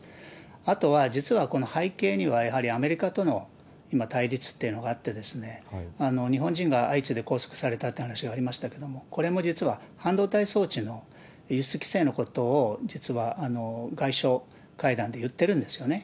あとは、実はこの背景には、やはりアメリカとの対立というのがあって、日本人が相次いで拘束されたって話がありましたけれども、これも実は、半導体装置の輸出規制のことを、実は外相会談で言ってるんですよね。